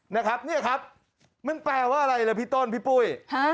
นะครับเนี่ยครับมันแปลว่าอะไรล่ะพี่ต้นพี่ปุ้ย